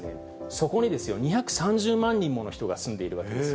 そこにですよ、２３０万人もの人が住んでいるんです。